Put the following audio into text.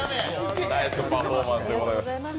ナイスパフォーマンスでございます。